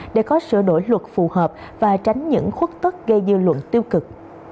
để có sửa đổi luật phù hợp và tránh những khuất tức gây dư luận tiêu cực